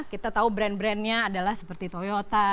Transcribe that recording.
kita tahu brand brandnya adalah seperti toyota